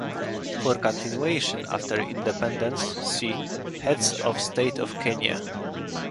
For continuation after independence, "see: "Heads of state of Kenya.